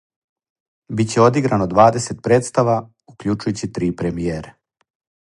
Биће одиграно двадесет представа, укључујући три премијере.